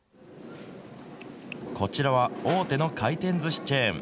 こちらは大手の回転ずしチェーン。